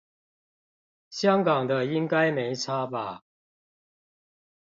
香港的應該沒差吧